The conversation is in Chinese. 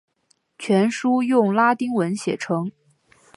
全书用拉丁文写成。